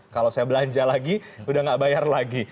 kalau saya belanja lagi sudah tidak bayar lagi